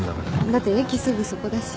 だって駅すぐそこだし。